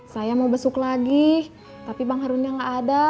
saya mau besuk lagi tapi bang harunnya nggak ada